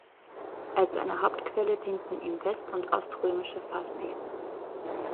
Als eine Hauptquelle dienten ihm west- und oströmische Fasti.